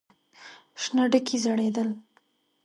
شنه ډکي ځړېدل.